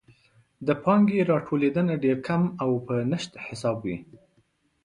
د پانګې راټولیدنه ډېر کم او په نشت حساب وي.